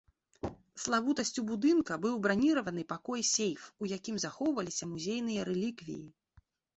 Славутасцю будынка быў браніраваны пакой-сейф, у якім захоўваліся музейныя рэліквіі.